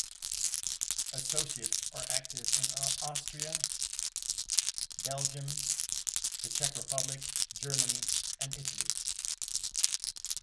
Associates are active in Austria, Belgium, the Czech Republic, Germany, and Italy.